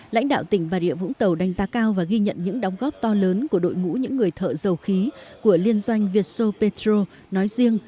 lãnh đạo tỉnh bà rịa vũng tàu đánh giá cao và ghi nhận những đóng góp to lớn của đội ngũ những người thợ dầu khí của liên doanh vietso petro nói riêng